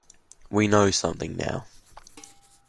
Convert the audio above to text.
We know something now.